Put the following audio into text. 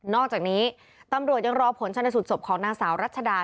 นอกจากนี้ตำรวจยังรอผลชันในสุดศพของหน้าสาวรัชดา